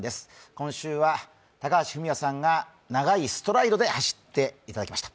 今週は高橋文哉さんが長いストライドで走っていただきました。